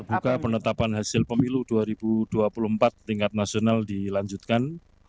buka penetapan hasil pemilu dua ribu dua puluh empat tingkat nasional dilanjutkan